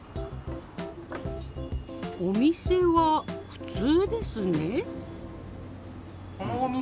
お店は普通ですね。